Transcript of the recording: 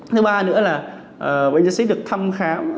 thứ ba nữa là bệnh nhân sẽ được thăm khám